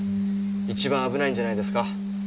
一番危ないんじゃないですか？